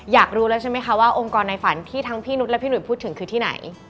อยากรู้แล้วใช่ไหมคะว่าองค์กรในฝันที่ทั้งพี่นุษย์และพี่หนุ่ยพูดถึงคือที่ไหน